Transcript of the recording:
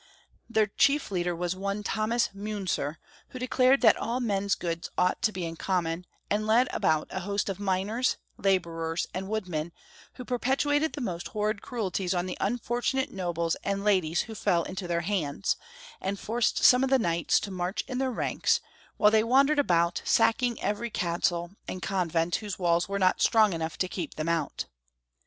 Their chief leader was one Thomas Miinzer, who declared that all men's goods ought to be in common, and led about a host of miners, laborers, and woodmen, who perpetrated the most horrid cruelties on the unfortunate nobles and la dies who fell into their hands, and forced some of the knights to march in their ranks, while they wandered about, sacking every castle and convent whose walls were not strong enough to keep them out.